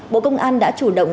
bộ công an đã chủ động